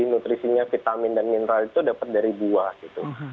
nutrisinya vitamin dan mineral itu dapat dari buah gitu